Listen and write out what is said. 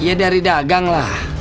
ya dari dagang lah